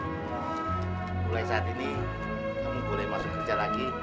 mulai saat ini kamu boleh masuk kerja lagi